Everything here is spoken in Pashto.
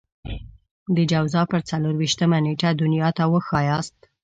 د جوزا پر څلور وېشتمه نېټه دنيا ته وښاياست.